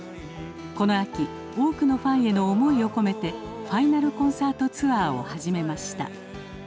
この秋多くのファンへの思いを込めてファイナル・コンサート・ツアーを始めました